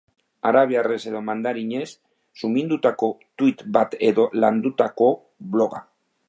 Arabiarrez edo mandarinez, sumindutako tuit bat edota landutako bloga.